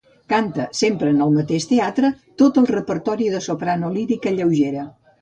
Canta, sempre en aquest mateix teatre, tot el repertori de soprano lírica lleugera.